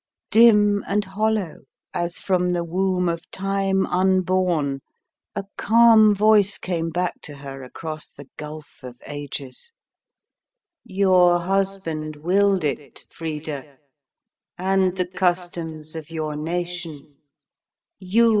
Dim and hollow, as from the womb of time unborn, a calm voice came back to her across the gulf of ages: "Your husband willed it, Frida, and the customs of your nation.